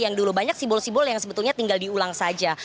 yang dulu banyak simbol simbol yang sebetulnya tinggal diulang saja